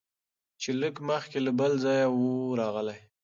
چي لږ مخکي له بل ځایه وو راغلی